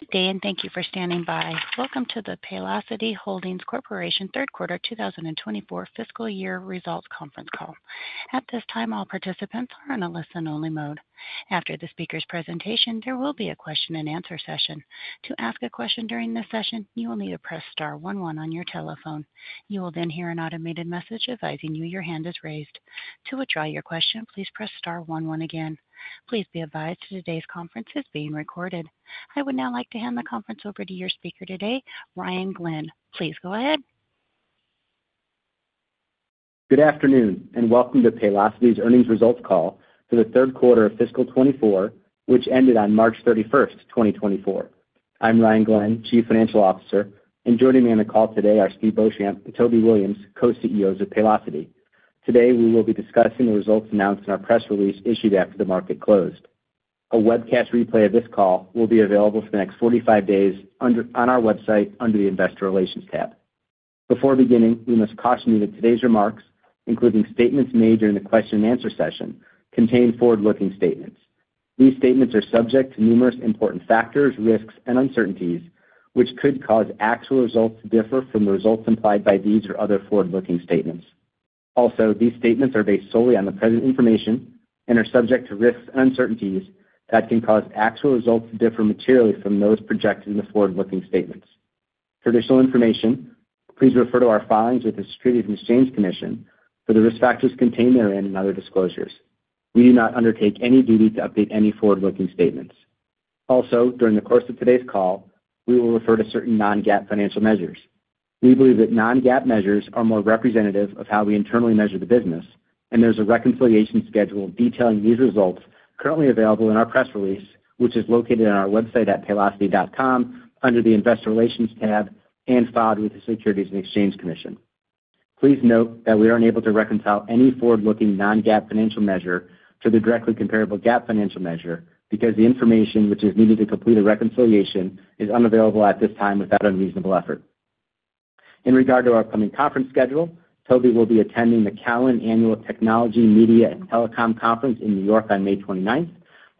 Good day, and thank you for standing by. Welcome to the Paylocity Holding Corporation third quarter 2024 fiscal year results conference call. At this time, all participants are in a listen-only mode. After the speaker's presentation, there will be a question-and-answer session. To ask a question during this session, you will need to press star one one on your telephone. You will then hear an automated message advising you that your hand is raised. To withdraw your question, please press star one one again. Please be advised today's conference is being recorded. I would now like to hand the conference over to your speaker today, Ryan Glenn. Please go ahead. Good afternoon, and welcome to Paylocity's earnings results call for the third quarter of fiscal 2024, which ended on March 31, 2024. I'm Ryan Glenn, Chief Financial Officer, and joining me on the call today are Steve Beauchamp and Toby Williams, Co-CEOs of Paylocity. Today, we will be discussing the results announced in our press release issued after the market closed. A webcast replay of this call will be available for the next 45 days on our website, under the Investor Relations tab. Before beginning, we must caution you that today's remarks, including statements made during the question-and-answer session, contain forward-looking statements. These statements are subject to numerous important factors, risks, and uncertainties, which could cause actual results to differ from the results implied by these or other forward-looking statements. Also, these statements are based solely on the present information and are subject to risks and uncertainties that can cause actual results to differ materially from those projected in the forward-looking statements. For additional information, please refer to our filings with the Securities and Exchange Commission for the risk factors contained therein and other disclosures. We do not undertake any duty to update any forward-looking statements. Also, during the course of today's call, we will refer to certain Non-GAAP financial measures. We believe that Non-GAAP measures are more representative of how we internally measure the business, and there's a reconciliation schedule detailing these results currently available in our press release, which is located on our website at paylocity.com under the Investor Relations tab and filed with the Securities and Exchange Commission. Please note that we aren't able to reconcile any forward-looking Non-GAAP financial measure to the directly comparable GAAP financial measure because the information which is needed to complete a reconciliation is unavailable at this time without unreasonable effort. In regard to our upcoming conference schedule, Toby will be attending the Cowen Annual Technology, Media, and Telecom Conference in New York on May twenty-ninth.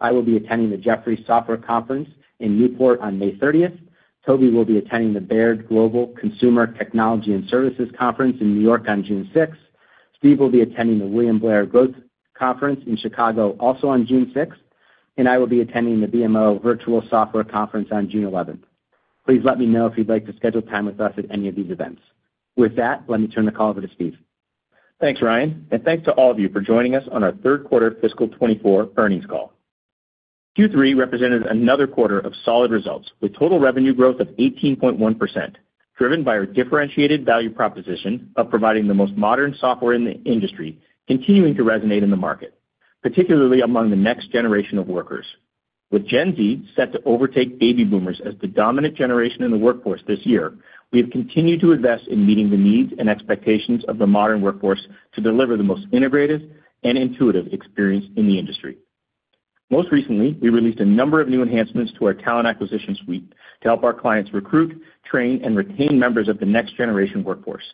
I will be attending the Jefferies Software Conference in Newport on May thirtieth. Toby will be attending the Baird Global Consumer Technology and Services Conference in New York on June sixth. Steve will be attending the William Blair Growth Conference in Chicago, also on June sixth. I will be attending the BMO Virtual Software Conference on June eleventh. Please let me know if you'd like to schedule time with us at any of these events. With that, let me turn the call over to Steve. Thanks, Ryan, and thanks to all of you for joining us on our third quarter fiscal 2024 earnings call. Q3 represented another quarter of solid results, with total revenue growth of 18.1%, driven by our differentiated value proposition of providing the most modern software in the industry, continuing to resonate in the market, particularly among the next generation of workers. With Gen Z set to overtake baby boomers as the dominant generation in the workforce this year, we have continued to invest in meeting the needs and expectations of the modern workforce to deliver the most integrated and intuitive experience in the industry. Most recently, we released a number of new enhancements to our talent acquisition suite to help our clients recruit, train, and retain members of the next generation workforce.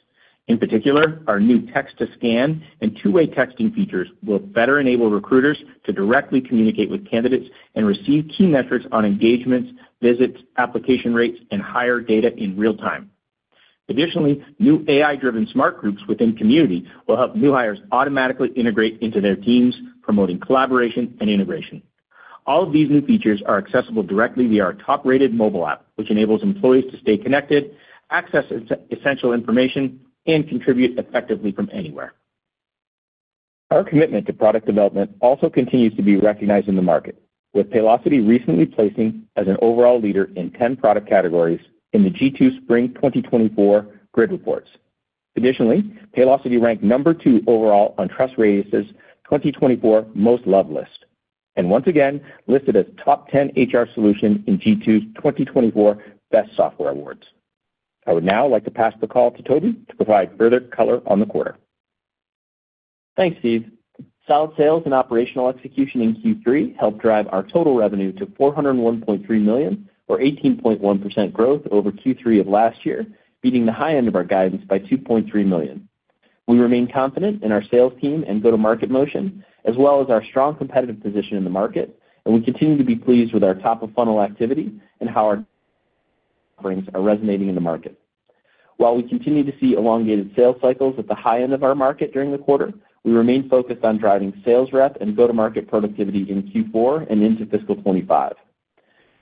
In particular, our new text-to-scan and two-way texting features will better enable recruiters to directly communicate with candidates and receive key metrics on engagements, visits, application rates, and hire data in real time. Additionally, new AI-driven Smart Groups within Community will help new hires automatically integrate into their teams, promoting collaboration and integration. All of these new features are accessible directly via our top-rated mobile app, which enables employees to stay connected, access essential information, and contribute effectively from anywhere. Our commitment to product development also continues to be recognized in the market, with Paylocity recently placing as an overall leader in 10 product categories in the G2 Spring 2024 Grid Reports. Additionally, Paylocity ranked number 2 overall on TrustRadius's 2024 Most Loved list, and once again, listed as top 10 HR solution in G2's 2024 Best Software Awards. I would now like to pass the call to Toby to provide further color on the quarter. Thanks, Steve. Solid sales and operational execution in Q3 helped drive our total revenue to $401.3 million, or 18.1% growth over Q3 of last year, beating the high end of our guidance by $2.3 million. We remain confident in our sales team and go-to-market motion, as well as our strong competitive position in the market, and we continue to be pleased with our top-of-funnel activity and how our offerings are resonating in the market. While we continue to see elongated sales cycles at the high end of our market during the quarter, we remain focused on driving sales rep and go-to-market productivity in Q4 and into fiscal 2025.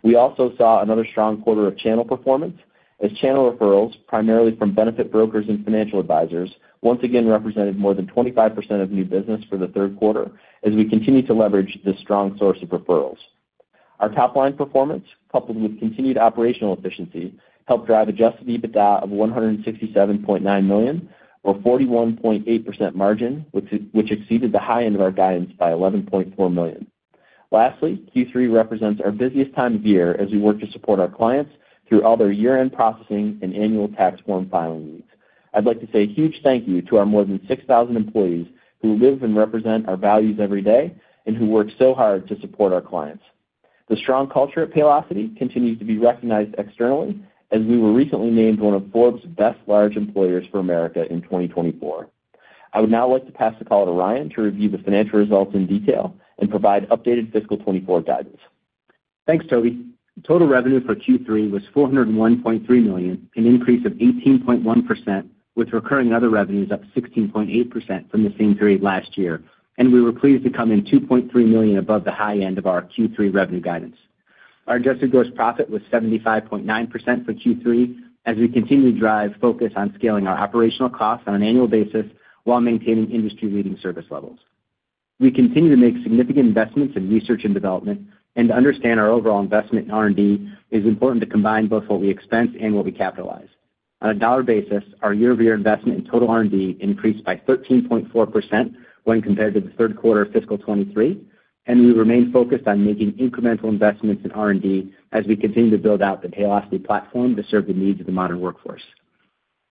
We also saw another strong quarter of channel performance, as channel referrals, primarily from benefit brokers and financial advisors, once again represented more than 25% of new business for the third quarter, as we continue to leverage this strong source of referrals. Our top-line performance, coupled with continued operational efficiency, helped drive Adjusted EBITDA of $167.9 million, or 41.8% margin, which exceeded the high end of our guidance by $11.4 million. Lastly, Q3 represents our busiest time of year as we work to support our clients through all their year-end processing and annual tax form filing needs. I'd like to say a huge thank you to our more than 6,000 employees who live and represent our values every day and who work so hard to support our clients. The strong culture at Paylocity continues to be recognized externally, as we were recently named one of Forbes' Best Large Employers for America in 2024. I would now like to pass the call to Ryan to review the financial results in detail and provide updated fiscal 2024 guidance. Thanks, Toby. Total revenue for Q3 was $401.3 million, an increase of 18.1%, with recurring other revenues up 16.8% from the same period last year, and we were pleased to come in $2.3 million above the high end of our Q3 revenue guidance. Our adjusted gross profit was 75.9% for Q3, as we continue to drive focus on scaling our operational costs on an annual basis while maintaining industry-leading service levels. We continue to make significant investments in research and development, and to understand our overall investment in R&D, it is important to combine both what we expense and what we capitalize. On a dollar basis, our year-over-year investment in total R&D increased by 13.4% when compared to the third quarter of fiscal 2023, and we remain focused on making incremental investments in R&D as we continue to build out the Paylocity platform to serve the needs of the modern workforce.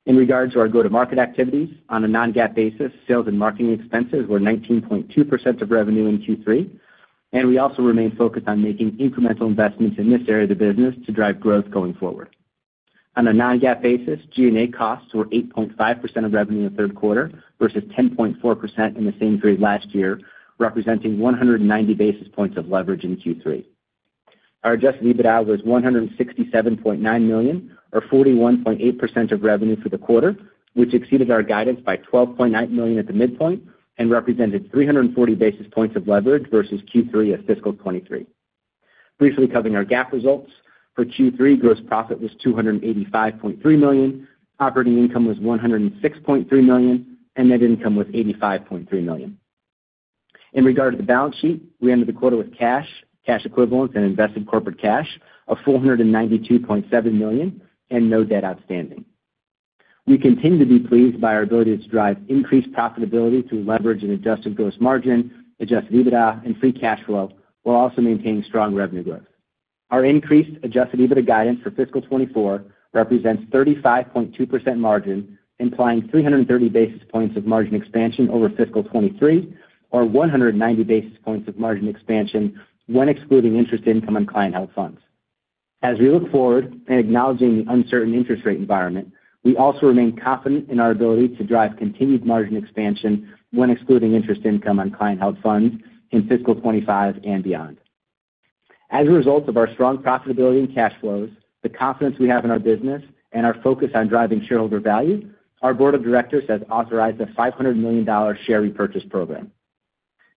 In regards to our go-to-market activities, on a Non-GAAP basis, sales and marketing expenses were 19.2% of revenue in Q3, and we also remain focused on making incremental investments in this area of the business to drive growth going forward. On a Non-GAAP basis, G&A costs were 8.5% of revenue in the third quarter versus 10.4% in the same period last year, representing 190 basis points of leverage in Q3. Our adjusted EBITDA was $167.9 million, or 41.8% of revenue for the quarter, which exceeded our guidance by $12.9 million at the midpoint and represented 340 basis points of leverage versus Q3 of fiscal 2023. Briefly covering our GAAP results, for Q3, gross profit was $285.3 million, operating income was $106.3 million, and net income was $85.3 million. In regard to the balance sheet, we ended the quarter with cash, cash equivalents, and invested corporate cash of $492.7 million and no debt outstanding. We continue to be pleased by our ability to drive increased profitability through leverage and adjusted gross margin, adjusted EBITDA, and free cash flow, while also maintaining strong revenue growth. Our increased adjusted EBITDA guidance for fiscal 2024 represents 35.2% margin, implying 330 basis points of margin expansion over fiscal 2023, or 190 basis points of margin expansion when excluding interest income on client held funds. As we look forward and acknowledging the uncertain interest rate environment, we also remain confident in our ability to drive continued margin expansion when excluding interest income on client held funds in fiscal 2025 and beyond. As a result of our strong profitability and cash flows, the confidence we have in our business, and our focus on driving shareholder value, our board of directors has authorized a $500 million share repurchase program.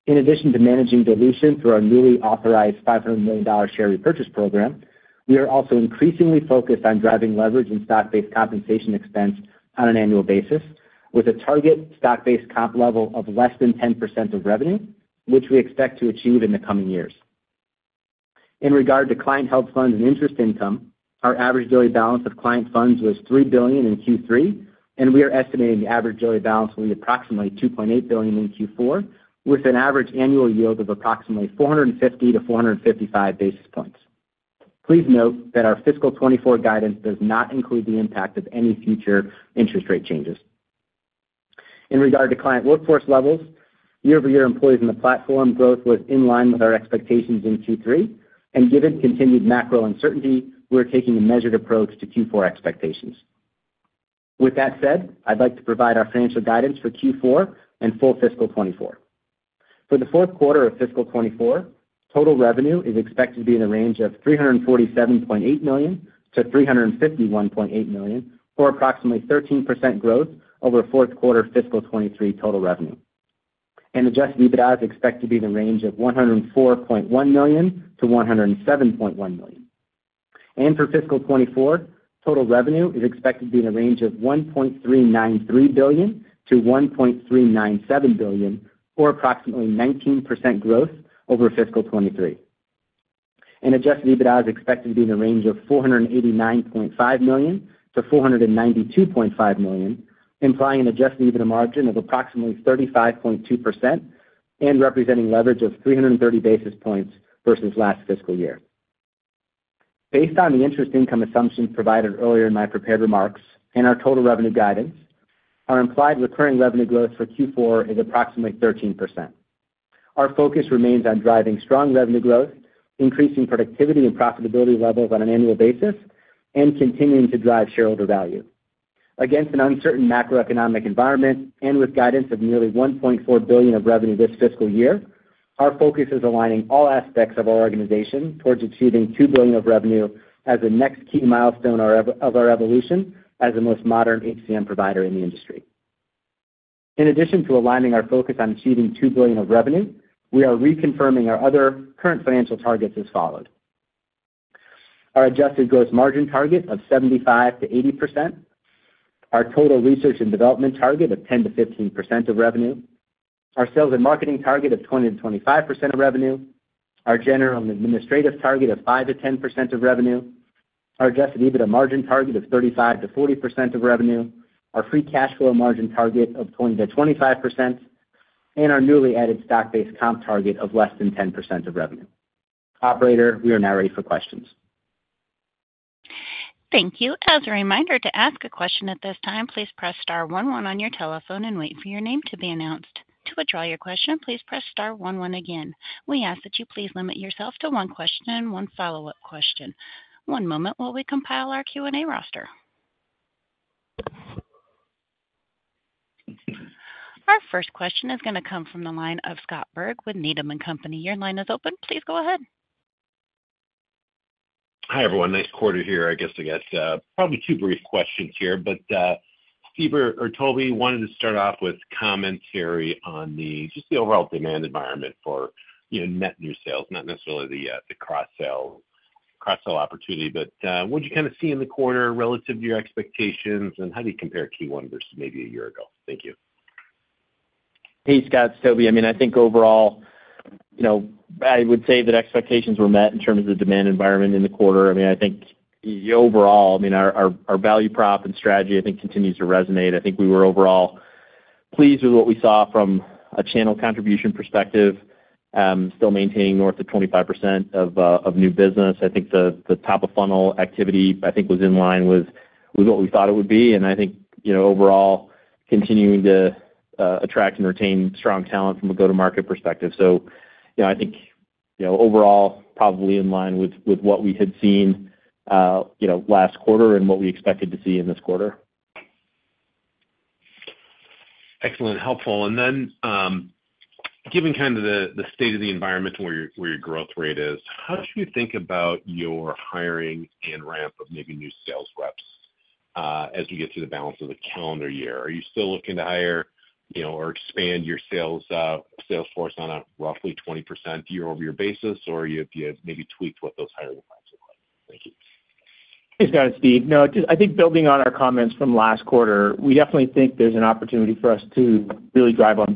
In addition to managing dilution through our newly authorized $500 million share repurchase program, we are also increasingly focused on driving leverage in stock-based compensation expense on an annual basis, with a target stock-based comp level of less than 10% of revenue, which we expect to achieve in the coming years. In regard to client held funds and interest income, our average daily balance of client funds was $3 billion in Q3, and we are estimating the average daily balance will be approximately $2.8 billion in Q4, with an average annual yield of approximately 450-455 basis points. Please note that our fiscal 2024 guidance does not include the impact of any future interest rate changes. In regard to client workforce levels, year-over-year employees in the platform growth was in line with our expectations in Q3, and given continued macro uncertainty, we're taking a measured approach to Q4 expectations. With that said, I'd like to provide our financial guidance for Q4 and full fiscal 2024. For the fourth quarter of fiscal 2024, total revenue is expected to be in the range of $347.8 million-$351.8 million, or approximately 13% growth over fourth quarter fiscal 2023 total revenue. Adjusted EBITDA is expected to be in the range of $104.1 million-$107.1 million. For fiscal 2024, total revenue is expected to be in the range of $1.393 billion-$1.397 billion, or approximately 19% growth over fiscal 2023. Adjusted EBITDA is expected to be in the range of $489.5 million-$492.5 million, implying an adjusted EBITDA margin of approximately 35.2% and representing leverage of 330 basis points versus last fiscal year. Based on the interest income assumptions provided earlier in my prepared remarks and our total revenue guidance, our implied recurring revenue growth for Q4 is approximately 13%. Our focus remains on driving strong revenue growth, increasing productivity and profitability levels on an annual basis, and continuing to drive shareholder value. Against an uncertain macroeconomic environment and with guidance of nearly $1.4 billion of revenue this fiscal year, our focus is aligning all aspects of our organization towards achieving $2 billion of revenue as the next key milestone of our evolution as the most modern HCM provider in the industry. In addition to aligning our focus on achieving $2 billion of revenue, we are reconfirming our other current financial targets as follows: Our adjusted gross margin target of 75%-80%, our total research and development target of 10%-15% of revenue, our sales and marketing target of 20%-25% of revenue, our general and administrative target of 5%-10% of revenue, our adjusted EBITDA margin target of 35%-40% of revenue, our free cash flow margin target of 20%-25%, and our newly added stock-based comp target of less than 10% of revenue. Operator, we are now ready for questions. Thank you. As a reminder to ask a question at this time, please press star one one on your telephone and wait for your name to be announced... To withdraw your question, please press star one one again. We ask that you please limit yourself to one question and one follow-up question. One moment while we compile our Q&A roster. Our first question is going to come from the line of Scott Berg with Needham and Company. Your line is open. Please go ahead. Hi, everyone. Nice quarter here, I guess, I guess. Probably two brief questions here, but Steve or Toby, wanted to start off with commentary on the, just the overall demand environment for, you know, net new sales, not necessarily the, the cross-sale, cross-sell opportunity. But, what'd you kind of see in the quarter relative to your expectations, and how do you compare Q1 versus maybe a year ago? Thank you. Hey, Scott, it's Toby. I mean, I think overall, you know, I would say that expectations were met in terms of the demand environment in the quarter. I mean, I think overall, I mean, our value prop and strategy, I think, continues to resonate. I think we were overall pleased with what we saw from a channel contribution perspective, still maintaining north of 25% of new business. I think the top of funnel activity, I think, was in line with what we thought it would be. And I think, you know, overall continuing to attract and retain strong talent from a go-to-market perspective. So, you know, I think, you know, overall, probably in line with what we had seen, you know, last quarter and what we expected to see in this quarter. Excellent, helpful. And then, given kind of the state of the environment where your growth rate is, how should we think about your hiring and ramp of maybe new sales reps, as we get through the balance of the calendar year? Are you still looking to hire, you know, or expand your sales, sales force on a roughly 20% year-over-year basis, or have you maybe tweaked what those hiring plans look like? Thank you. Hey, Scott, it's Steve. No, just I think building on our comments from last quarter, we definitely think there's an opportunity for us to really drive on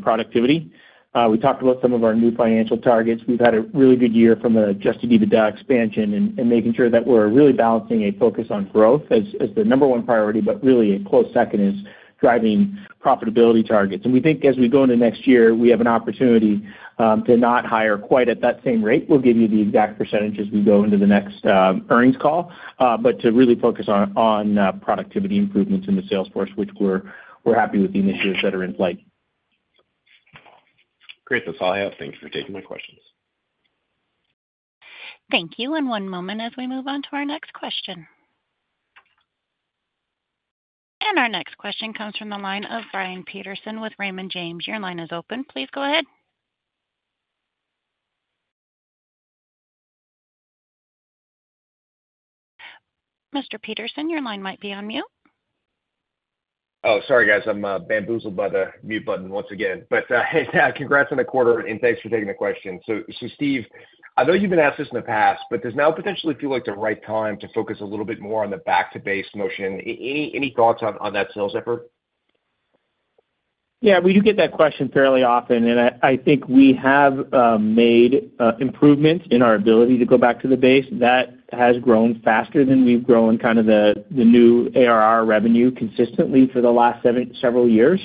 productivity. We talked about some of our new financial targets. We've had a really good year from an Adjusted EBITDA expansion and making sure that we're really balancing a focus on growth as the number one priority, but really a close second is driving profitability targets. And we think as we go into next year, we have an opportunity to not hire quite at that same rate. We'll give you the exact percentage as we go into the next earnings call, but to really focus on productivity improvements in the sales force, which we're happy with the initiatives that are in play. Great. That's all I have. Thanks for taking my questions. Thank you, and one moment as we move on to our next question. Our next question comes from the line of Brian Peterson with Raymond James. Your line is open. Please go ahead. Mr. Peterson, your line might be on mute. Oh, sorry, guys, I'm bamboozled by the mute button once again. But, hey, congrats on the quarter, and thanks for taking the question. So, Steve, I know you've been asked this in the past, but does now potentially feel like the right time to focus a little bit more on the back to base motion? Any thoughts on that sales effort? Yeah, we do get that question fairly often, and I think we have made improvements in our ability to go back to the base. That has grown faster than we've grown kind of the new ARR revenue consistently for the last several years.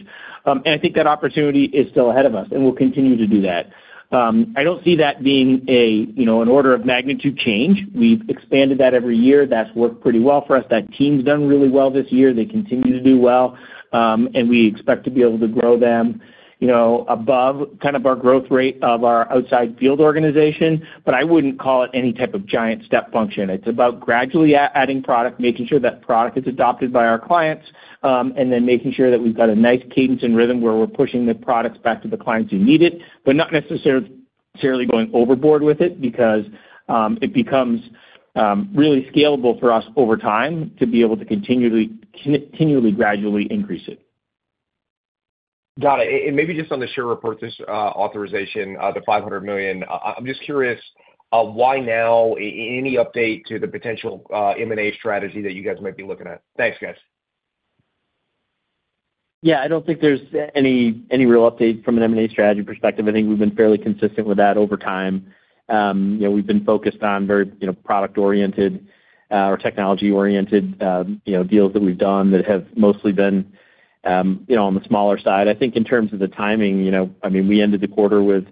And I think that opportunity is still ahead of us, and we'll continue to do that. I don't see that being a, you know, an order of magnitude change. We've expanded that every year. That's worked pretty well for us. That team's done really well this year. They continue to do well, and we expect to be able to grow them, you know, above kind of our growth rate of our outside field organization. But I wouldn't call it any type of giant step function. It's about gradually adding product, making sure that product is adopted by our clients, and then making sure that we've got a nice cadence and rhythm where we're pushing the products back to the clients who need it, but not necessarily going overboard with it because it becomes really scalable for us over time to be able to continually gradually increase it. Got it. And maybe just on the share repurchase authorization, the $500 million. I'm just curious, why now? Any update to the potential M&A strategy that you guys might be looking at? Thanks, guys. Yeah, I don't think there's any, any real update from an M&A strategy perspective. I think we've been fairly consistent with that over time. You know, we've been focused on very, you know, product-oriented, or technology-oriented, you know, deals that we've done that have mostly been, you know, on the smaller side. I think in terms of the timing, you know, I mean, we ended the quarter with,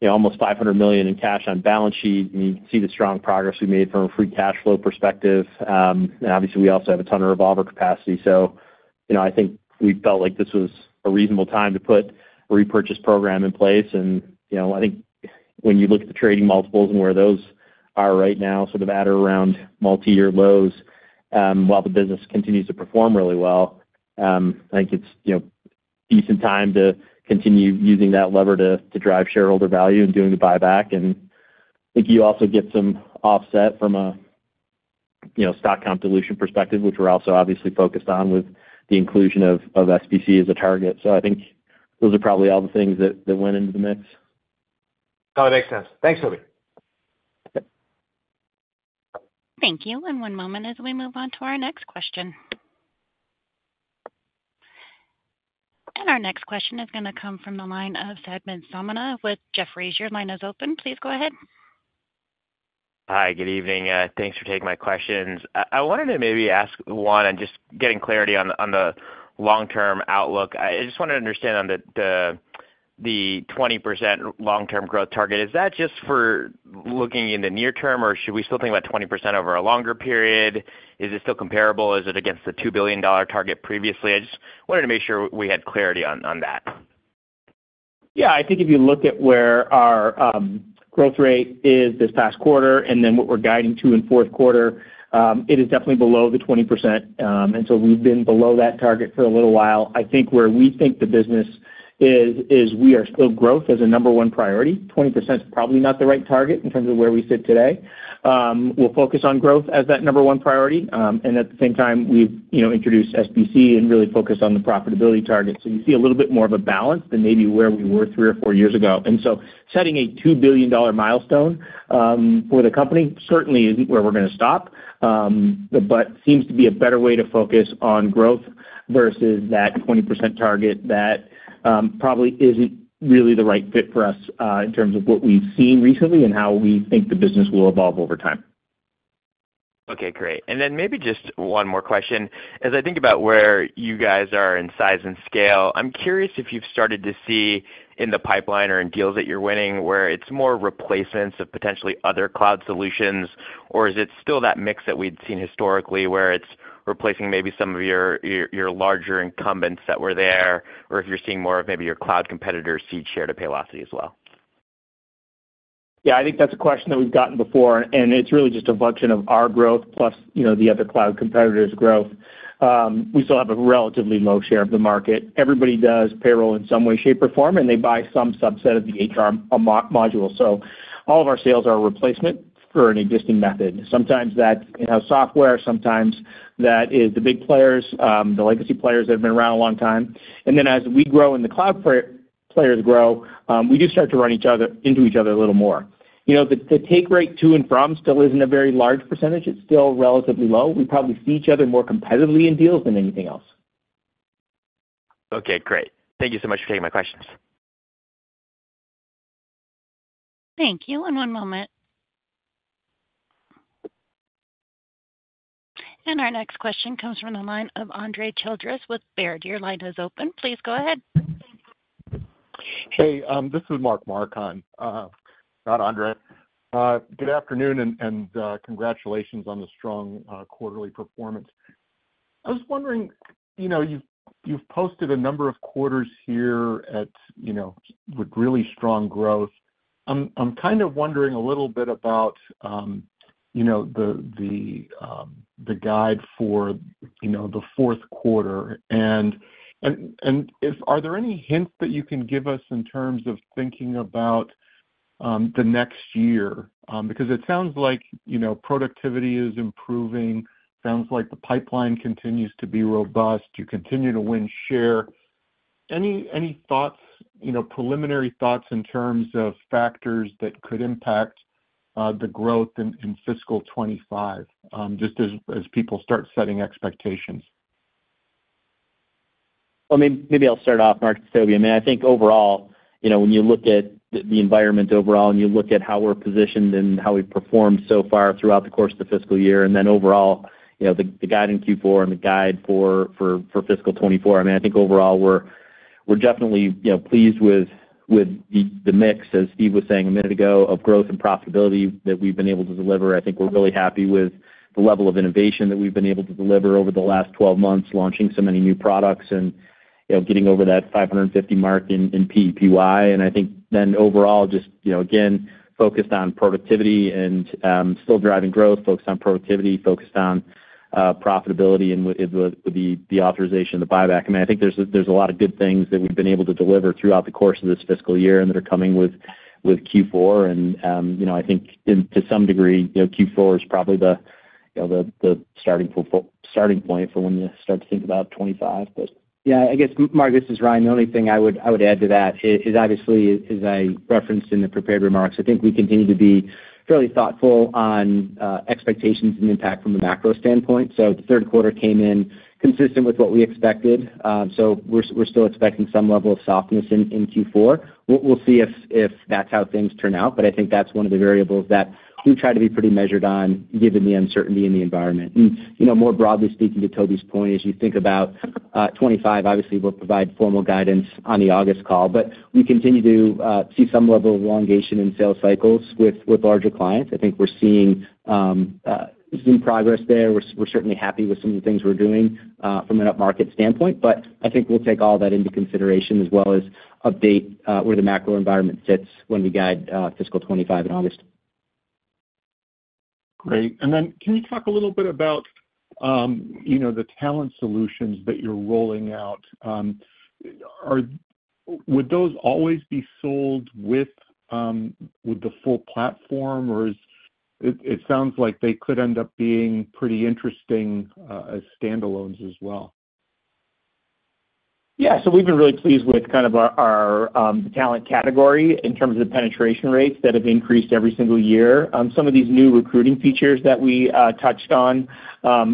you know, almost $500 million in cash on balance sheet, and you can see the strong progress we made from a free cash flow perspective. And obviously, we also have a ton of revolver capacity. So, you know, I think we felt like this was a reasonable time to put a repurchase program in place. And, you know, I think when you look at the trading multiples and where those are right now, sort of at or around multi-year lows, while the business continues to perform really well, I think it's, you know, decent time to continue using that lever to drive shareholder value and doing the buyback. And I think you also get some offset from a, you know, stock dilution perspective, which we're also obviously focused on with the inclusion of SBC as a target. So I think those are probably all the things that went into the mix. No, it makes sense. Thanks, Toby. Thank you, and one moment as we move on to our next question. Our next question is gonna come from the line of Samad Samana with Jefferies. Your line is open. Please go ahead. Hi, good evening. Thanks for taking my questions. I wanted to maybe ask one and just getting clarity on the long-term outlook. I just wanted to understand on the 20% long-term growth target, is that just for looking in the near term, or should we still think about 20% over a longer period? Is it still comparable? Is it against the $2 billion target previously? I just wanted to make sure we had clarity on that.... Yeah, I think if you look at where our growth rate is this past quarter and then what we're guiding to in fourth quarter, it is definitely below the 20%. And so we've been below that target for a little while. I think where we think the business is, is we are still growth as a number one priority. 20% is probably not the right target in terms of where we sit today. We'll focus on growth as that number one priority. And at the same time, we've, you know, introduced SBC and really focused on the profitability target. So you see a little bit more of a balance than maybe where we were three or four years ago. And so setting a $2 billion milestone for the company certainly isn't where we're gonna stop, but seems to be a better way to focus on growth versus that 20% target that probably isn't really the right fit for us, in terms of what we've seen recently and how we think the business will evolve over time. Okay, great. Then maybe just one more question. As I think about where you guys are in size and scale, I'm curious if you've started to see in the pipeline or in deals that you're winning, where it's more replacements of potentially other cloud solutions, or is it still that mix that we'd seen historically, where it's replacing maybe some of your, your, your larger incumbents that were there, or if you're seeing more of maybe your cloud competitors cede share to Paylocity as well? Yeah, I think that's a question that we've gotten before, and it's really just a function of our growth, plus, you know, the other cloud competitors' growth. We still have a relatively low share of the market. Everybody does payroll in some way, shape, or form, and they buy some subset of the HR module. So all of our sales are a replacement for an existing method. Sometimes that's, you know, software, sometimes that is the big players, the legacy players that have been around a long time. And then as we grow and the cloud players grow, we do start to run into each other a little more. You know, the take rate to and from still isn't a very large percentage. It's still relatively low. We probably see each other more competitively in deals than anything else. Okay, great. Thank you so much for taking my questions. Thank you. One moment. Our next question comes from the line of Andre Childress with Baird. Your line is open. Please go ahead. Hey, this is Mark Marcon, not Andre. Good afternoon and, and, congratulations on the strong quarterly performance. I was wondering, you know, you've posted a number of quarters here at, you know, with really strong growth. I'm kind of wondering a little bit about, you know, the guide for the fourth quarter. And if—are there any hints that you can give us in terms of thinking about the next year? Because it sounds like, you know, productivity is improving, sounds like the pipeline continues to be robust. You continue to win share. Any thoughts, you know, preliminary thoughts in terms of factors that could impact the growth in fiscal 2025, just as people start setting expectations? Well, maybe, maybe I'll start off, Mark. So, I mean, I think overall, you know, when you look at the, the environment overall, and you look at how we're positioned and how we've performed so far throughout the course of the fiscal year, and then overall, you know, the, the guide in Q4 and the guide for, for, for fiscal 2024, I mean, I think overall, we're, we're definitely, you know, pleased with, with the, the mix, as Steve was saying a minute ago, of growth and profitability that we've been able to deliver. I think we're really happy with the level of innovation that we've been able to deliver over the last 12 months, launching so many new products and, you know, getting over that 550 mark in, in PEPY. I think then overall, just, you know, again, focused on productivity and still driving growth, focused on productivity, focused on profitability and with the authorization of the buyback. I mean, I think there's a lot of good things that we've been able to deliver throughout the course of this fiscal year and that are coming with Q4. And you know, I think in to some degree, you know, Q4 is probably the starting point for when you start to think about 25. But yeah, I guess, Mark, this is Ryan. The only thing I would add to that is obviously, as I referenced in the prepared remarks, I think we continue to be fairly thoughtful on expectations and impact from the macro standpoint. So the third quarter came in consistent with what we expected. So we're still expecting some level of softness in Q4. We'll see if that's how things turn out, but I think that's one of the variables that we try to be pretty measured on, given the uncertainty in the environment. And, you know, more broadly speaking, to Toby's point, as you think about 2025, obviously, we'll provide formal guidance on the August call, but we continue to see some level of elongation in sales cycles with larger clients. I think we're seeing some progress there. We're certainly happy with some of the things we're doing from an upmarket standpoint, but I think we'll take all that into consideration, as well as update where the macro environment sits when we guide fiscal 2025 in August. Great. And then, can you talk a little bit about, you know, the talent solutions that you're rolling out? Would those always be sold with the full platform or is it... It sounds like they could end up being pretty interesting as standalones as well. Yeah, so we've been really pleased with kind of our talent category in terms of the penetration rates that have increased every single year. Some of these new recruiting features that we touched on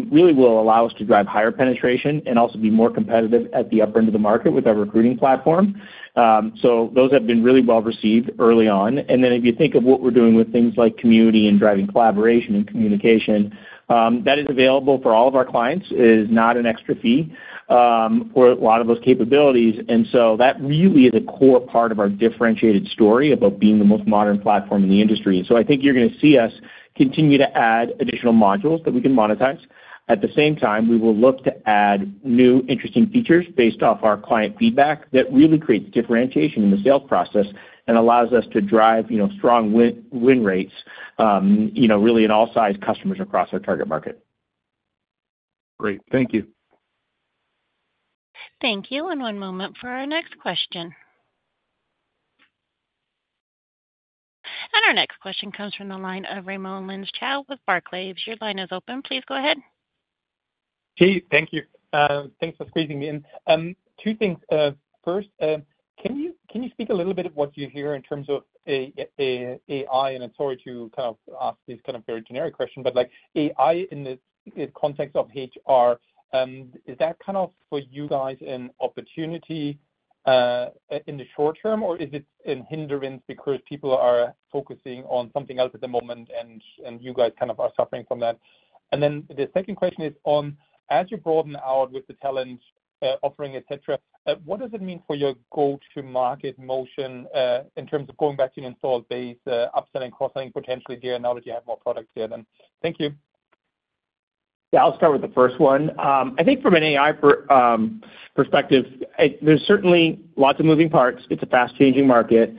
really will allow us to drive higher penetration and also be more competitive at the upper end of the market with our recruiting platform. So those have been really well received early on. And then if you think of what we're doing with things like community and driving collaboration and communication, that is available for all of our clients. It is not an extra fee for a lot of those capabilities. And so that really is a core part of our differentiated story about being the most modern platform in the industry. So I think you're gonna see us continue to add additional modules that we can monetize. At the same time, we will look to add new interesting features based off our client feedback that really creates differentiation in the sales process and allows us to drive, you know, strong win-win rates, you know, really in all size customers across our target market. Great. Thank you. Thank you, and one moment for our next question. Our next question comes from the line of Raimo Lenschow with Barclays. Your line is open. Please go ahead. Steve, thank you. Thanks for squeezing me in. Two things. First, can you speak a little bit of what you hear in terms of AI? And I'm sorry to kind of ask these kind of very generic question, but like AI in the context of HR, is that kind of for you guys an opportunity, in the short term, or is it a hindrance because people are focusing on something else at the moment and you guys kind of are suffering from that? And then the second question is on, as you broaden out with the talent offering, et cetera, what does it mean for your go-to-market motion, in terms of going back to your installed base, upselling, cross-selling, potentially there, now that you have more products there, then? Thank you. Yeah, I'll start with the first one. I think from an AI perspective, there's certainly lots of moving parts. It's a fast-changing market.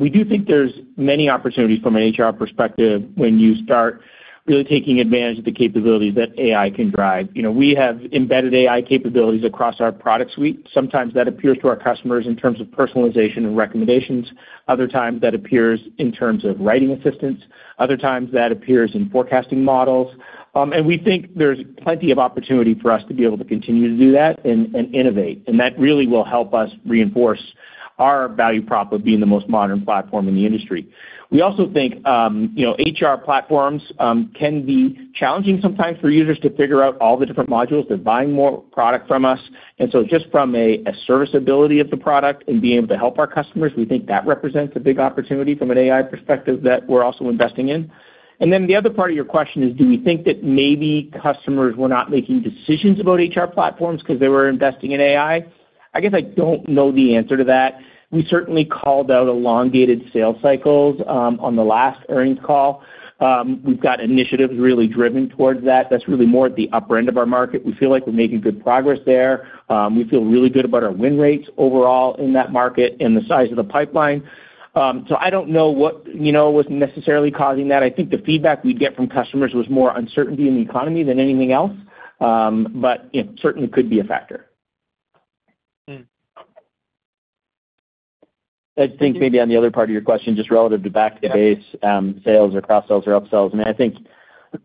We do think there's many opportunities from an HR perspective when you start really taking advantage of the capabilities that AI can drive. You know, we have embedded AI capabilities across our product suite. Sometimes that appears to our customers in terms of personalization and recommendations. Other times, that appears in terms of writing assistance. Other times, that appears in forecasting models. And we think there's plenty of opportunity for us to be able to continue to do that and innovate, and that really will help us reinforce our value prop of being the most modern platform in the industry. We also think, you know, HR platforms can be challenging sometimes for users to figure out all the different modules. They're buying more product from us, and so just from a serviceability of the product and being able to help our customers, we think that represents a big opportunity from an AI perspective that we're also investing in. And then the other part of your question is, do we think that maybe customers were not making decisions about HR platforms because they were investing in AI? I guess I don't know the answer to that. We certainly called out elongated sales cycles on the last earnings call. We've got initiatives really driven towards that. That's really more at the upper end of our market. We feel like we're making good progress there. We feel really good about our win rates overall in that market and the size of the pipeline. So I don't know what, you know, was necessarily causing that. I think the feedback we'd get from customers was more uncertainty in the economy than anything else, but, yeah, certainly could be a factor. Hmm. I think maybe on the other part of your question, just relative to back to the base, sales or cross sales or upsales, I mean, I think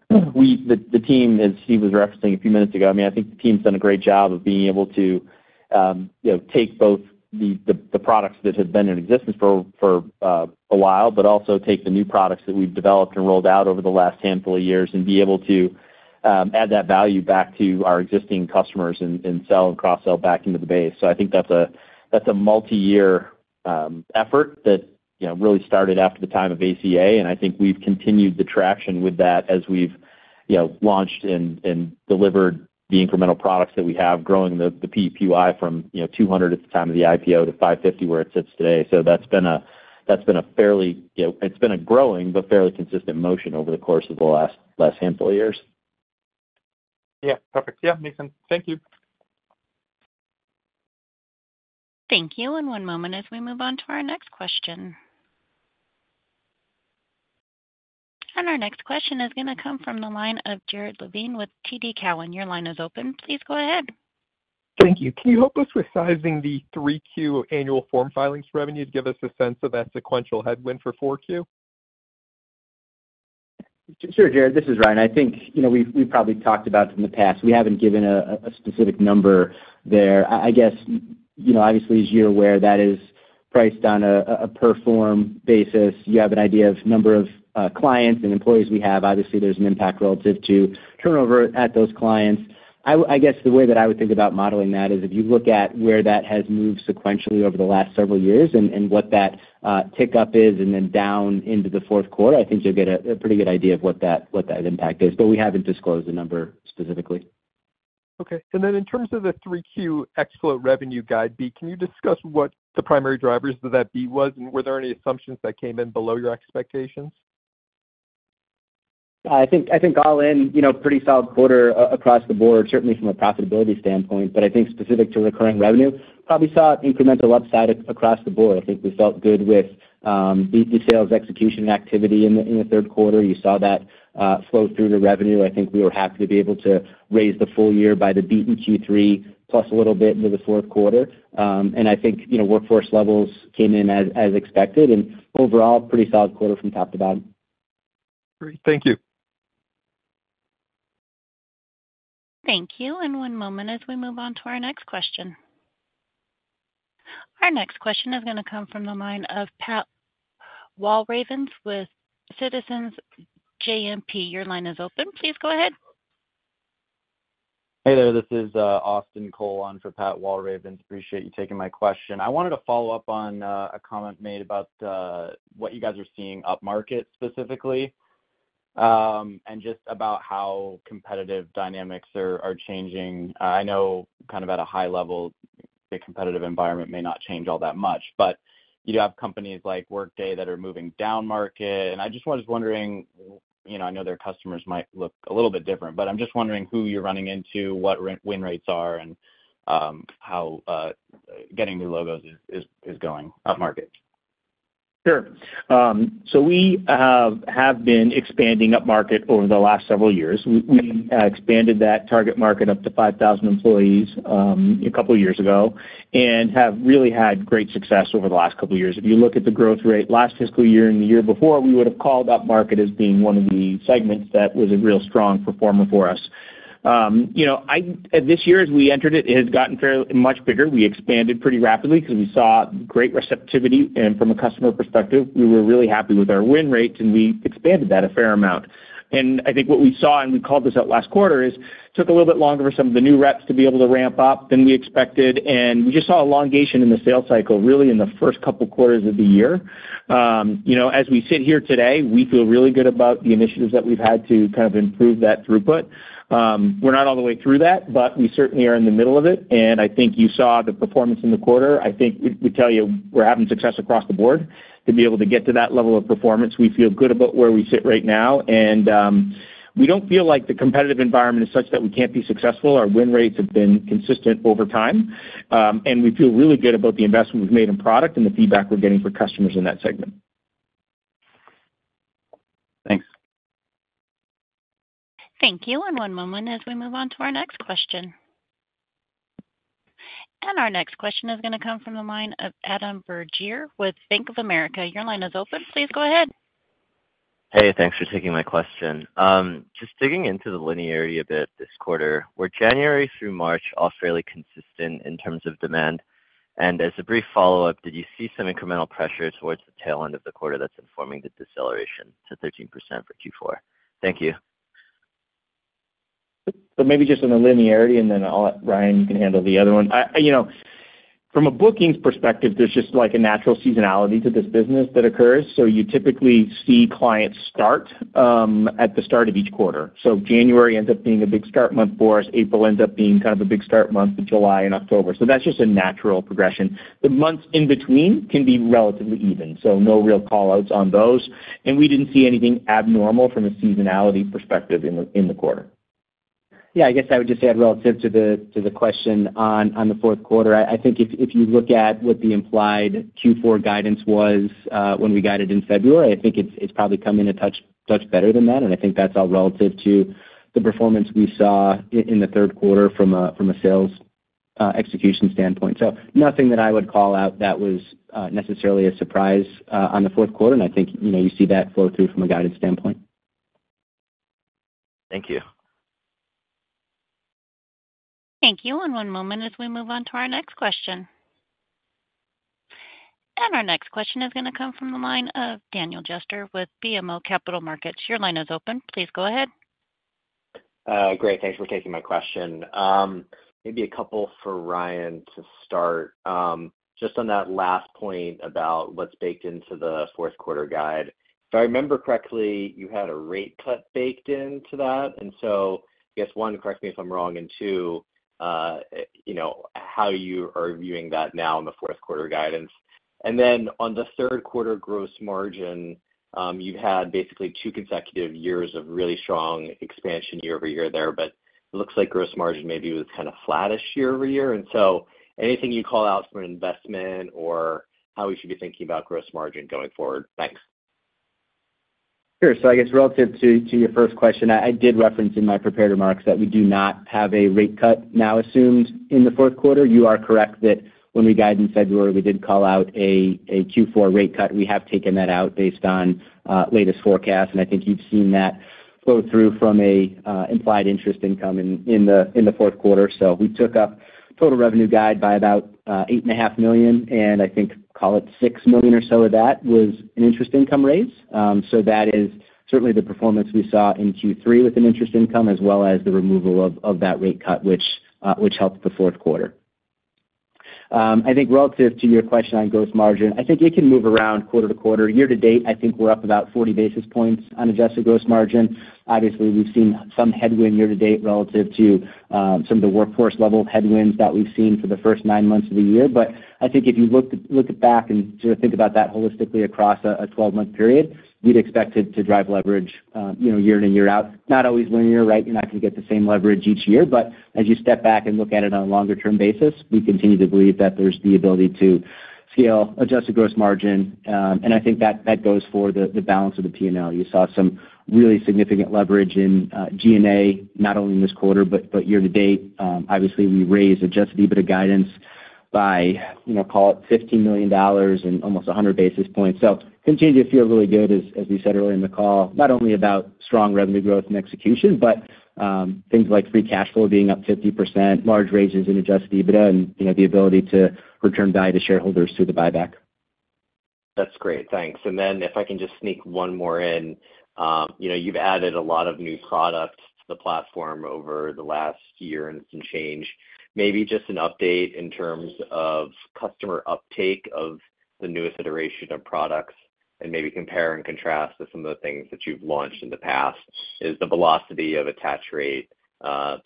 the team, as Steve was referencing a few minutes ago, I mean, I think the team's done a great job of being able to, you know, take both the products that have been in existence for a while, but also take the new products that we've developed and rolled out over the last handful of years and be able to add that value back to our existing customers and sell and cross-sell back into the base. So I think that's a multiyear effort that, you know, really started after the time of ACA, and I think we've continued the traction with that as we've, you know, launched and delivered the incremental products that we have, growing the PEPY from, you know, 200 at the time of the IPO to 550, where it sits today. So that's been a fairly, you know, it's been a growing but fairly consistent motion over the course of the last handful of years. Yeah. Perfect. Yeah, makes sense. Thank you. Thank you, and one moment as we move on to our next question. Our next question is gonna come from the line of Jared Levine with TD Cowen. Your line is open. Please go ahead. Thank you. Can you help us with sizing the 3Q annual form filings revenue to give us a sense of that sequential headwind for 4Q? Sure, Jared, this is Ryan. I think, you know, we've, we've probably talked about this in the past. We haven't given a, a specific number there. I, I guess, you know, obviously, as you're aware, that is priced on a, a per form basis. You have an idea of number of clients and employees we have. Obviously, there's an impact relative to turnover at those clients. I guess the way that I would think about modeling that is if you look at where that has moved sequentially over the last several years and, and what that tick up is, and then down into the fourth quarter, I think you'll get a, a pretty good idea of what that, what that impact is, but we haven't disclosed the number specifically. Okay. And then in terms of the 3Q ex-float revenue guide beat, can you discuss what the primary drivers of that beat was? And were there any assumptions that came in below your expectations? I think all in, you know, pretty solid quarter across the board, certainly from a profitability standpoint. But I think specific to recurring revenue, probably saw incremental upside across the board. I think we felt good with the beat in sales execution activity in the third quarter. You saw that flow through the revenue. I think we were happy to be able to raise the full year by the beat in Q3, plus a little bit into the fourth quarter. I think, you know, workforce levels came in as expected, and overall, pretty solid quarter from top to bottom. Great. Thank you. Thank you, and one moment as we move on to our next question. Our next question is gonna come from the line of Pat Walravens with Citizens JMP. Your line is open. Please go ahead. Hey there, this is Austin Cole on for Pat Walravens. Appreciate you taking my question. I wanted to follow up on a comment made about what you guys are seeing upmarket specifically, and just about how competitive dynamics are changing. I know kind of at a high level-... the competitive environment may not change all that much, but you have companies like Workday that are moving down market. And I just was wondering, you know, I know their customers might look a little bit different, but I'm just wondering who you're running into, what our win rates are, and how getting new logos is going up market. Sure. So we have been expanding up market over the last several years. We expanded that target market up to 5,000 employees, a couple years ago, and have really had great success over the last couple of years. If you look at the growth rate last fiscal year and the year before, we would have called that market as being one of the segments that was a real strong performer for us. You know, this year, as we entered it, it has gotten fairly much bigger. We expanded pretty rapidly because we saw great receptivity, and from a customer perspective, we were really happy with our win rate, and we expanded that a fair amount. I think what we saw, and we called this out last quarter, is took a little bit longer for some of the new reps to be able to ramp up than we expected, and we just saw elongation in the sales cycle, really, in the first couple quarters of the year. You know, as we sit here today, we feel really good about the initiatives that we've had to kind of improve that throughput. We're not all the way through that, but we certainly are in the middle of it, and I think you saw the performance in the quarter. I think we, we tell you, we're having success across the board to be able to get to that level of performance. We feel good about where we sit right now, and we don't feel like the competitive environment is such that we can't be successful. Our win rates have been consistent over time, and we feel really good about the investment we've made in product and the feedback we're getting from customers in that segment. Thanks. Thank you. And one moment as we move on to our next question. And our next question is gonna come from the line of Adam Bergere with Bank of America. Your line is open. Please go ahead. Hey, thanks for taking my question. Just digging into the linearity a bit this quarter, were January through March all fairly consistent in terms of demand? And as a brief follow-up, did you see some incremental pressure towards the tail end of the quarter that's informing the deceleration to 13% for Q4? Thank you. So maybe just on the linearity, and then I'll let Ryan handle the other one. You know, from a bookings perspective, there's just, like, a natural seasonality to this business that occurs. So you typically see clients start at the start of each quarter. So January ends up being a big start month for us, April ends up being kind of a big start month, and July and October. So that's just a natural progression. The months in between can be relatively even, so no real call-outs on those, and we didn't see anything abnormal from a seasonality perspective in the quarter. Yeah, I guess I would just add relative to the question on the fourth quarter. I think if you look at what the implied Q4 guidance was, when we got it in February, I think it's probably come in a touch better than that, and I think that's all relative to the performance we saw in the third quarter from a sales execution standpoint. So nothing that I would call out that was necessarily a surprise on the fourth quarter, and I think, you know, you see that flow through from a guidance standpoint. Thank you. Thank you. One moment as we move on to our next question. Our next question is gonna come from the line of Daniel Jester with BMO Capital Markets. Your line is open. Please go ahead. Great, thanks for taking my question. Maybe a couple for Ryan to start. Just on that last point about what's baked into the fourth quarter guide. If I remember correctly, you had a rate cut baked into that, and so I guess, one, correct me if I'm wrong, and two, you know, how you are viewing that now in the fourth quarter guidance. And then on the third quarter gross margin, you've had basically two consecutive years of really strong expansion year-over-year there, but it looks like gross margin maybe was kind of flattish year-over-year. And so anything you call out from an investment or how we should be thinking about gross margin going forward? Thanks. Sure. So I guess relative to your first question, I did reference in my prepared remarks that we do not have a rate cut now assumed in the fourth quarter. You are correct that when we guided in February, we did call out a Q4 rate cut. We have taken that out based on latest forecast, and I think you've seen that flow through from an implied interest income in the fourth quarter. So we took up total revenue guide by about $8.5 million, and I think, call it $6 million or so of that was an interest income raise. So that is certainly the performance we saw in Q3 with an interest income, as well as the removal of that rate cut, which helped the fourth quarter. I think relative to your question on gross margin, I think it can move around quarter to quarter. Year to date, I think we're up about 40 basis points on adjusted gross margin. Obviously, we've seen some headwind year to date relative to some of the workforce-level headwinds that we've seen for the first nine months of the year. But I think if you look back and just think about that holistically across a 12-month period, we'd expect it to drive leverage, you know, year in and year out. Not always linear, right? You're not going to get the same leverage each year, but as you step back and look at it on a longer-term basis, we continue to believe that there's the ability to scale adjusted gross margin. And I think that goes for the balance of the P&L. You saw some really significant leverage in G&A, not only in this quarter but year to date. Obviously, we raised adjusted EBITDA guidance by, you know, call it $15 million and almost a hundred basis points. So continue to feel really good, as we said earlier in the call, not only about strong revenue growth and execution, but things like free cash flow being up 50%, large raises in adjusted EBITDA, and, you know, the ability to return value to shareholders through the buyback. That's great. Thanks. And then if I can just sneak one more in. You know, you've added a lot of new products to the platform over the last year and some change. Maybe just an update in terms of customer uptake of the newest iteration of products, and maybe compare and contrast to some of the things that you've launched in the past. Is the velocity of attach rate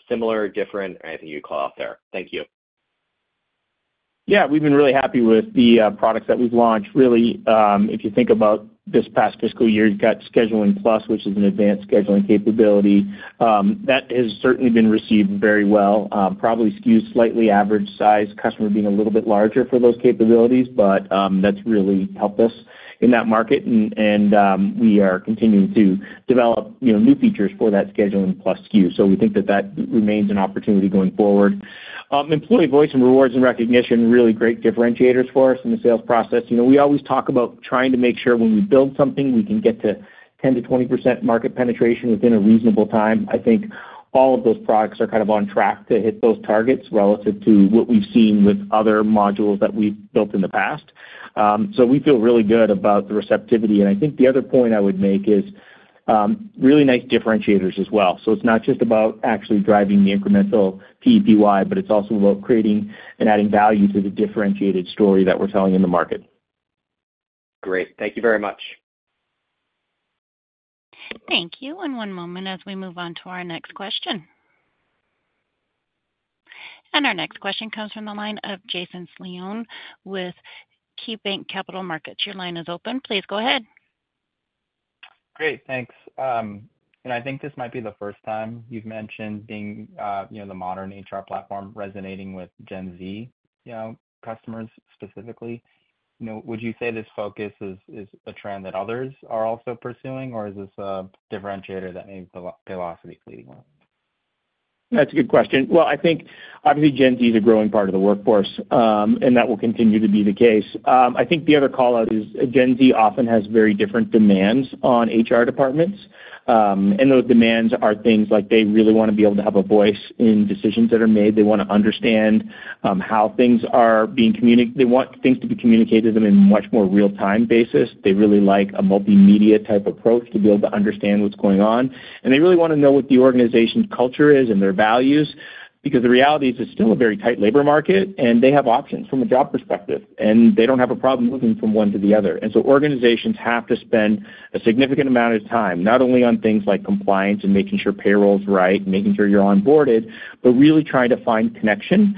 similar, different? Anything you'd call out there? Thank you. Yeah, we've been really happy with the products that we've launched. Really, if you think about this past fiscal year, you've got Scheduling Plus, which is an advanced scheduling capability. That has certainly been received very well. Probably skews slightly average size, customer being a little bit larger for those capabilities, but that's really helped us in that market, and we are continuing to develop, you know, new features for that Scheduling Plus SKU. So we think that that remains an opportunity going forward. Employee Voice and Rewards and Recognition, really great differentiators for us in the sales process. You know, we always talk about trying to make sure when we build something, we can get to 10%-20% market penetration within a reasonable time. I think all of those products are kind of on track to hit those targets, relative to what we've seen with other modules that we've built in the past. So we feel really good about the receptivity. And I think the other point I would make is really nice differentiators as well. So it's not just about actually driving the incremental PEPY, but it's also about creating and adding value to the differentiated story that we're telling in the market. Great. Thank you very much. Thank you, and one moment as we move on to our next question. Our next question comes from the line of Jason Celino with KeyBanc Capital Markets. Your line is open. Please go ahead. Great, thanks. I think this might be the first time you've mentioned being, you know, the modern HR platform resonating with Gen Z, you know, customers specifically. You know, would you say this focus is a trend that others are also pursuing, or is this a differentiator that maybe Paylocity is leading on? That's a good question. Well, I think obviously, Gen Z is a growing part of the workforce, and that will continue to be the case. I think the other call-out is Gen Z often has very different demands on HR departments, and those demands are things like they really want to be able to have a voice in decisions that are made. They want to understand how things are being communicated to them in much more real-time basis. They really like a multimedia-type approach to be able to understand what's going on. And they really want to know what the organization's culture is and their values, because the reality is it's still a very tight labor market, and they have options from a job perspective, and they don't have a problem moving from one to the other. Organizations have to spend a significant amount of time, not only on things like compliance and making sure payroll's right, making sure you're onboarded, but really trying to find connection,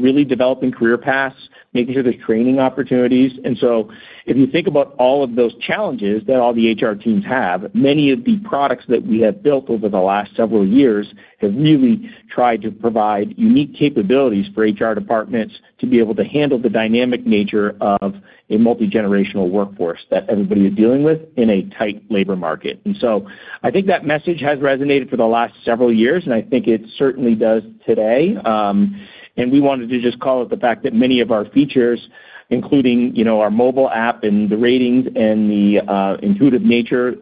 really developing career paths, making sure there's training opportunities. If you think about all of those challenges that all the HR teams have, many of the products that we have built over the last several years have really tried to provide unique capabilities for HR departments to be able to handle the dynamic nature of a multigenerational workforce that everybody is dealing with in a tight labor market. I think that message has resonated for the last several years, and I think it certainly does today. And we wanted to just call out the fact that many of our features, including, you know, our mobile app and the ratings and the intuitive nature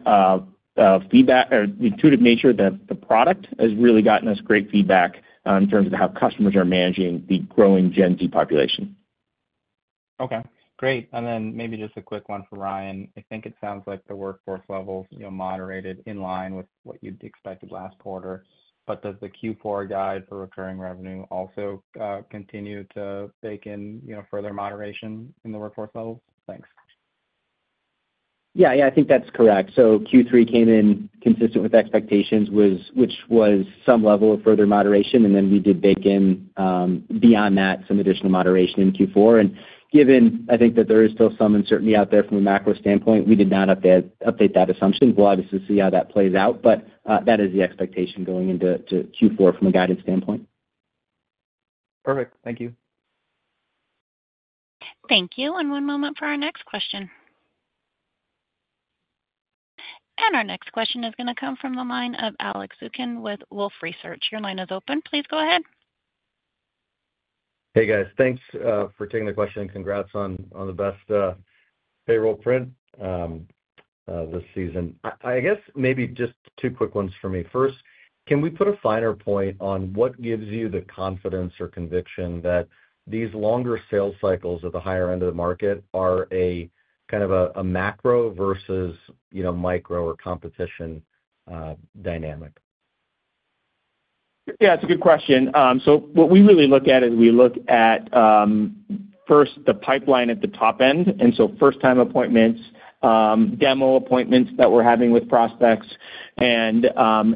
that the product has really gotten us great feedback in terms of how customers are managing the growing Gen Z population. Okay, great. And then maybe just a quick one for Ryan. I think it sounds like the workforce levels, you know, moderated in line with what you'd expected last quarter, but does the Q4 guide for recurring revenue also continue to bake in, you know, further moderation in the workforce levels? Thanks. Yeah, yeah, I think that's correct. So Q3 came in consistent with expectations, which was some level of further moderation, and then we did bake in, beyond that, some additional moderation in Q4. And given, I think, that there is still some uncertainty out there from a macro standpoint, we did not update that assumption. We'll obviously see how that plays out, but that is the expectation going into Q4 from a guidance standpoint. Perfect. Thank you. Thank you, and one moment for our next question. Our next question is going to come from the line of Alex Zukin with Wolfe Research. Your line is open. Please go ahead. Hey, guys. Thanks for taking the question, and congrats on the best payroll print this season. I guess maybe just two quick ones for me. First, can we put a finer point on what gives you the confidence or conviction that these longer sales cycles at the higher end of the market are a kind of a macro versus, you know, micro or competition dynamic? Yeah, it's a good question. So what we really look at is we look at, first, the pipeline at the top end, and so first-time appointments, demo appointments that we're having with prospects, and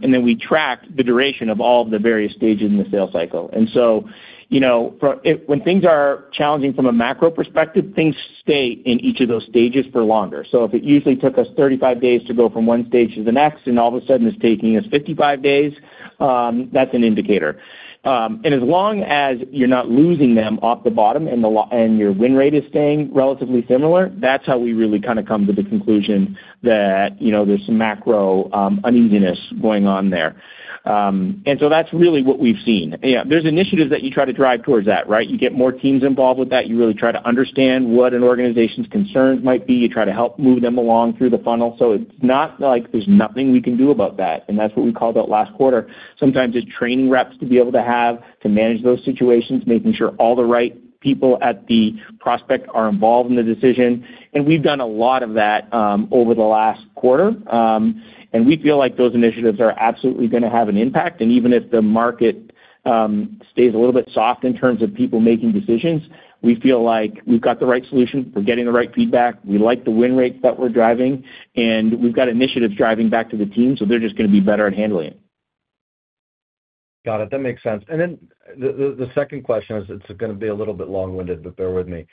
then we track the duration of all the various stages in the sales cycle. And so, you know, for when things are challenging from a macro perspective, things stay in each of those stages for longer. So if it usually took us 35 days to go from one stage to the next, and all of a sudden, it's taking us 55 days, that's an indicator. And as long as you're not losing them off the bottom and your win rate is staying relatively similar, that's how we really kind of come to the conclusion that, you know, there's some macro uneasiness going on there. And so that's really what we've seen. Yeah, there's initiatives that you try to drive towards that, right? You get more teams involved with that. You really try to understand what an organization's concerns might be. You try to help move them along through the funnel. So it's not like there's nothing we can do about that, and that's what we called out last quarter. Sometimes it's training reps to be able to have to manage those situations, making sure all the right people at the prospect are involved in the decision, and we've done a lot of that over the last quarter. And we feel like those initiatives are absolutely going to have an impact. And even if the market stays a little bit soft in terms of people making decisions, we feel like we've got the right solution. We're getting the right feedback. We like the win rates that we're driving, and we've got initiatives driving back to the team, so they're just going to be better at handling it.... Got it. That makes sense. And then the second question is, it's gonna be a little bit long-winded, but bear with me.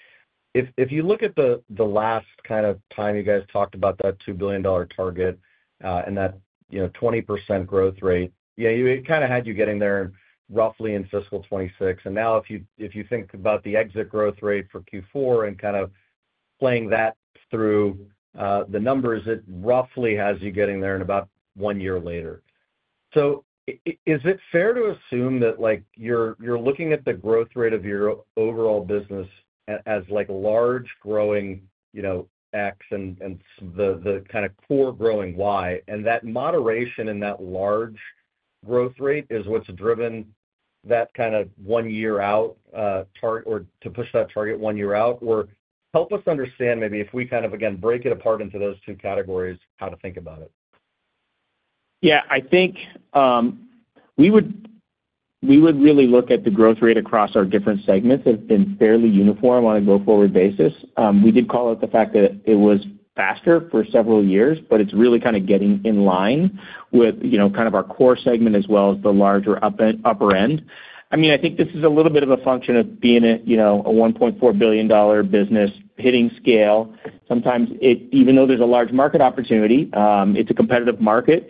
If you look at the last kind of time you guys talked about that $2 billion target, and that, you know, 20% growth rate, yeah, it kinda had you getting there roughly in fiscal 2026. And now, if you think about the exit growth rate for Q4 and kind of playing that through the numbers, it roughly has you getting there in about one year later. So is it fair to assume that, like, you're, you're looking at the growth rate of your overall business as like large growing, you know, X and, and the, the kind of core growing Y, and that moderation in that large growth rate is what's driven that kind of one year out, or to push that target one year out? Or help us understand maybe if we kind of, again, break it apart into those two categories, how to think about it. Yeah, I think, we would really look at the growth rate across our different segments as has been fairly uniform on a go-forward basis. We did call out the fact that it was faster for several years, but it's really kind of getting in line with, you know, kind of our core segment as well as the larger upper end. I mean, I think this is a little bit of a function of being a, you know, a $1.4 billion business hitting scale. Sometimes it even though there's a large market opportunity, it's a competitive market,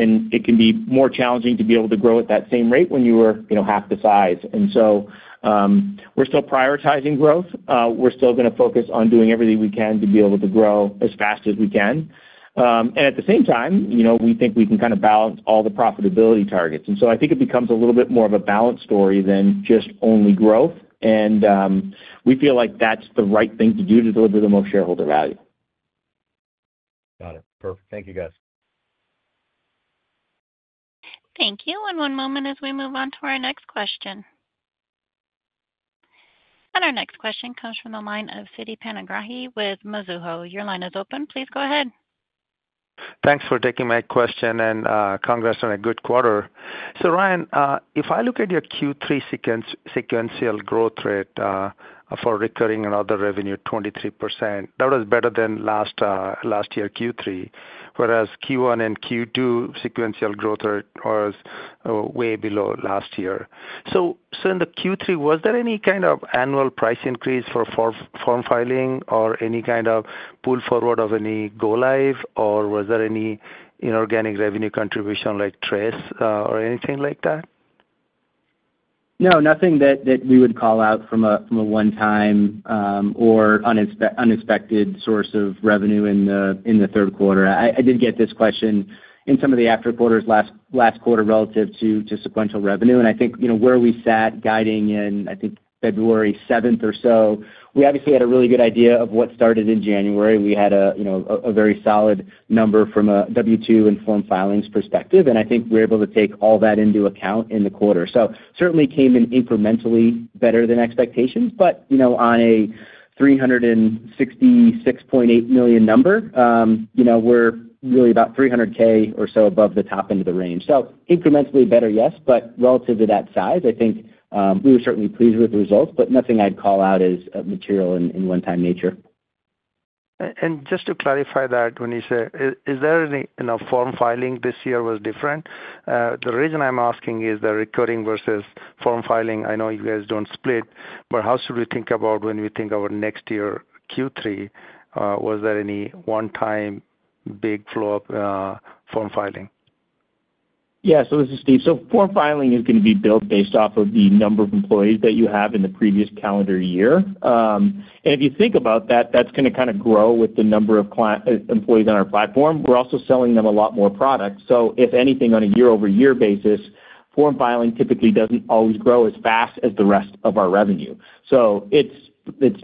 and it can be more challenging to be able to grow at that same rate when you are, you know, half the size. And so, we're still prioritizing growth. We're still gonna focus on doing everything we can to be able to grow as fast as we can. And at the same time, you know, we think we can kind of balance all the profitability targets. And so I think it becomes a little bit more of a balance story than just only growth, and we feel like that's the right thing to do to deliver the most shareholder value. Got it. Perfect. Thank you, guys. Thank you. One moment as we move on to our next question. Our next question comes from the line of Siti Panigrahi with Mizuho. Your line is open. Please go ahead. Thanks for taking my question, and, congrats on a good quarter. So Ryan, if I look at your Q3 sequential growth rate, for recurring and other revenue, 23%, that was better than last, last year, Q3, whereas Q1 and Q2 sequential growth rate was, way below last year. So, so in the Q3, was there any kind of annual price increase for form, form filing or any kind of pull forward of any go live, or was there any inorganic revenue contribution like Trace, or anything like that? No, nothing that we would call out from a one-time or unexpected source of revenue in the third quarter. I did get this question in some of the after quarters last quarter relative to sequential revenue. And I think, you know, where we sat guiding in, I think February seventh or so, we obviously had a really good idea of what started in January. We had, you know, a very solid number from a W-2 and form filings perspective, and I think we're able to take all that into account in the quarter. So certainly came in incrementally better than expectations, but, you know, on a $366.8 million number, you know, we're really about 300K or so above the top end of the range. So incrementally better, yes, but relative to that size, I think we were certainly pleased with the results, but nothing I'd call out as material in one-time nature. Just to clarify that, when you say is there any, you know, form filing this year was different? The reason I'm asking is the recurring versus form filing. I know you guys don't split, but how should we think about when we think our next year, Q3. Was there any one-time big flow of form filing? Yeah. So this is Steve. So form filing is gonna be built based off of the number of employees that you have in the previous calendar year. And if you think about that, that's gonna kind of grow with the number of employees on our platform. We're also selling them a lot more products. So if anything, on a year-over-year basis, form filing typically doesn't always grow as fast as the rest of our revenue. So it's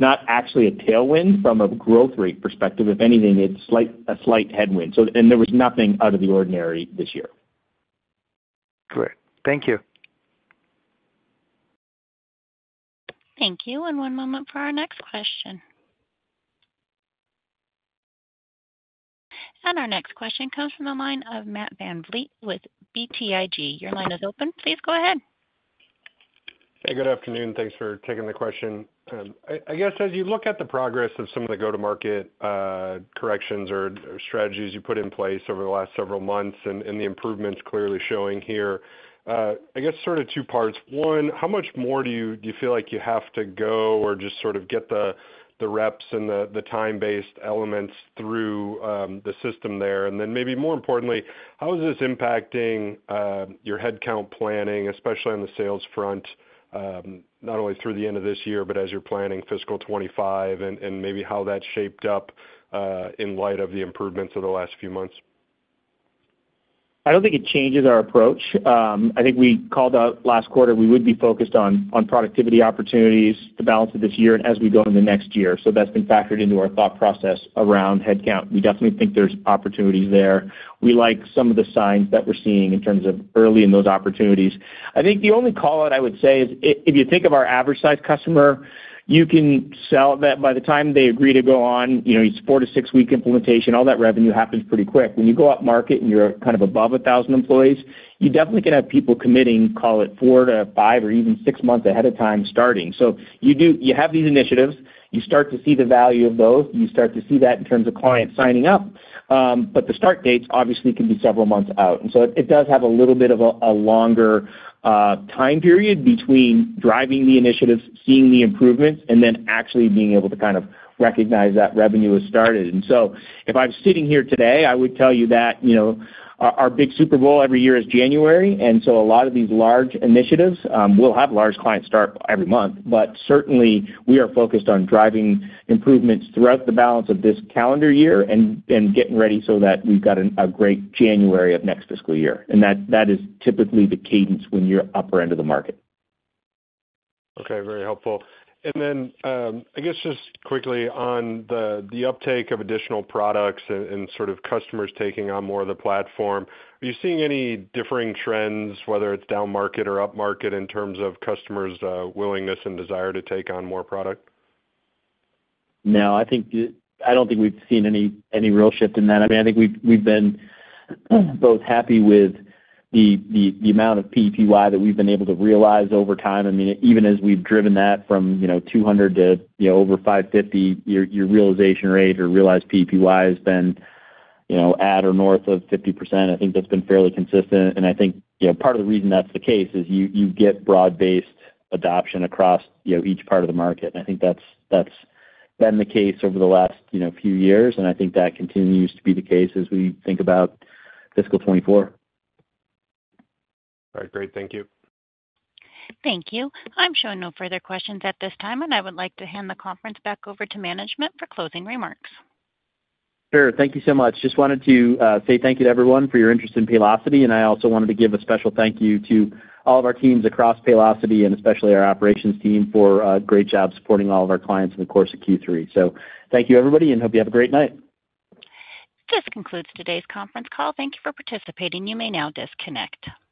not actually a tailwind from a growth rate perspective. If anything, it's a slight headwind. So and there was nothing out of the ordinary this year. Great. Thank you. Thank you, and one moment for our next question. Our next question comes from the line of Matt Van Vliet with BTIG. Your line is open. Please go ahead. Hey, good afternoon. Thanks for taking the question. I guess as you look at the progress of some of the go-to-market corrections or strategies you put in place over the last several months and the improvements clearly showing here, I guess sort of two parts. One, how much more do you feel like you have to go or just sort of get the reps and the time-based elements through the system there? And then, maybe more importantly, how is this impacting your headcount planning, especially on the sales front, not only through the end of this year, but as you're planning fiscal 2025, and maybe how that's shaped up in light of the improvements over the last few months? I don't think it changes our approach. I think we called out last quarter, we would be focused on productivity opportunities, the balance of this year and as we go into next year. So that's been factored into our thought process around headcount. We definitely think there's opportunities there. We like some of the signs that we're seeing in terms of early in those opportunities. I think the only call-out I would say is if you think of our average-sized customer, you can sell that by the time they agree to go on, you know, it's 4- to 6-week implementation, all that revenue happens pretty quick. When you go upmarket and you're kind of above 1,000 employees, you definitely can have people committing, call it 4- to 5- or even 6 months ahead of time, starting. So you have these initiatives, you start to see the value of those, you start to see that in terms of clients signing up, but the start dates obviously can be several months out. And so it does have a little bit of a longer time period between driving the initiatives, seeing the improvements, and then actually being able to kind of recognize that revenue has started. And so if I'm sitting here today, I would tell you that, you know, our big Super Bowl every year is January, and so a lot of these large initiatives, we'll have large clients start every month, but certainly we are focused on driving improvements throughout the balance of this calendar year and getting ready so that we've got a great January of next fiscal year. That, that is typically the cadence when you're upper end of the market.... Okay, very helpful. And then, I guess just quickly on the uptake of additional products and sort of customers taking on more of the platform, are you seeing any differing trends, whether it's down market or up market, in terms of customers', willingness and desire to take on more product? No, I think I don't think we've seen any real shift in that. I mean, I think we've been both happy with the amount of PEPY that we've been able to realize over time. I mean, even as we've driven that from, you know, 200 to, you know, over 550, your realization rate or realized PEPY has been, you know, at or north of 50%. I think that's been fairly consistent, and I think, you know, part of the reason that's the case is you get broad-based adoption across, you know, each part of the market. And I think that's been the case over the last, you know, few years, and I think that continues to be the case as we think about fiscal 2024. All right, great. Thank you. Thank you. I'm showing no further questions at this time, and I would like to hand the conference back over to management for closing remarks. Sure. Thank you so much. Just wanted to say thank you to everyone for your interest in Paylocity, and I also wanted to give a special thank you to all of our teams across Paylocity, and especially our operations team, for a great job supporting all of our clients in the course of Q3. So thank you, everybody, and hope you have a great night. This concludes today's conference call. Thank you for participating. You may now disconnect.